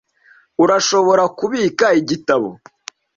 Urashobora kubika igitabo .